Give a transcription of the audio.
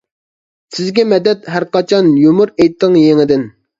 سىزگە مەدەت ھەرقاچان، يۇمۇر ئېيتىڭ يېڭىدىن.